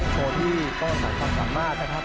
โชว์ที่ป้อนสำคัญมากนะครับ